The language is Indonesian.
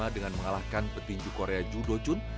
dengan mengalahkan petinju korea joo do joon